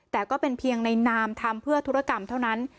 แต่ก็เป็นเพียงในนามทำเพื่อธุรกรรมเท่านั้น